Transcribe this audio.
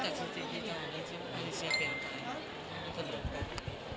หนูจะเข้ามาเป็นเรื่องอันแต่ไหนแต่ว่าเธอก็ได้